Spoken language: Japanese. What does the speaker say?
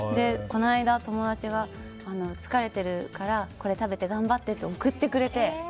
この間友達が、疲れているからこれ食べて頑張ってって送ってくれて。